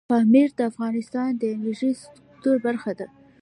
پامیر د افغانستان د انرژۍ سکتور برخه ده.